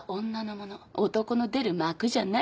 男の出る幕じゃない。